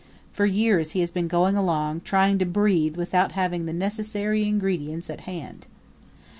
For years he has been going along, trying to breathe without having the necessary ingredients at hand.